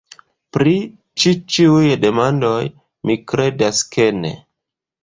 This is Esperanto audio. Pri ĉi ĉiuj demandoj, mi kredas ke ne.